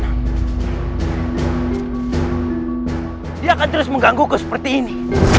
dia akan terus menggangguku seperti ini